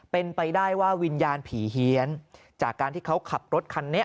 เป็นไปได้ว่าวิญญาณผีเฮียนจากการที่เขาขับรถคันนี้